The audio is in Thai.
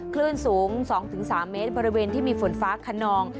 คลื่นสูง๒๓เมตรบริเวณที่มีฝนฟ้าขนอง